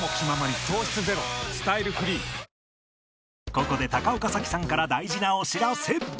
ここで高岡早紀さんから大事なお知らせ